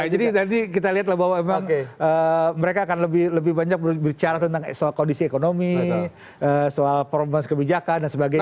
nanti kita lihatlah bahwa memang mereka akan lebih banyak berbicara tentang kondisi ekonomi soal perubahan kebijakan dan sebagainya